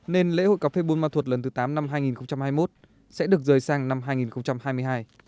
nên lễ hội cà phê buôn ma thuột lần thứ tám năm hai nghìn hai mươi một sẽ được rời sang năm hai nghìn hai mươi hai